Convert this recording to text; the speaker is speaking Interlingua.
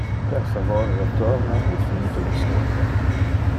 Per favor retorna, e fini tu historia.